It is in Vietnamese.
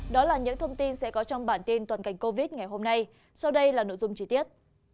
đó là những thông tin sẽ có trong bản tin toàn cảnh covid ngày hôm nay sau đây là nội dung chi tiết